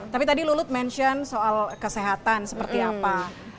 tapi tadi lulut mention soal kesehatan seperti apa